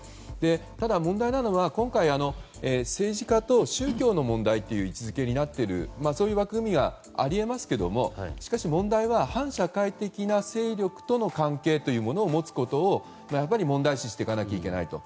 ただ、問題なのは今回、政治家と宗教の問題という位置づけになっているそういう枠組みがあり得ますけどしかし、問題は反社会的な勢力との関係を持つことを問題視していかなければいけないと。